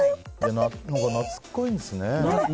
なつっこいんですね。